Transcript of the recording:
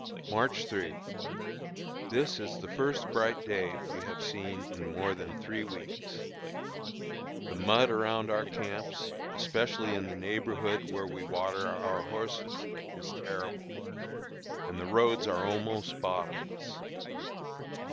March 3. This is the first bright day we have seen in more than three weeks. The mud around our camps, especially in the neighborhood where we water our horses, is terrible, and the roads are almost bottomless.